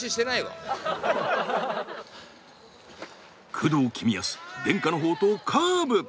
工藤公康伝家の宝刀カーブ。